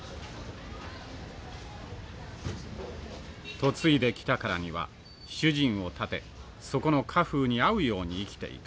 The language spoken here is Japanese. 嫁いできたからには主人を立てそこの家風に合うように生きていく。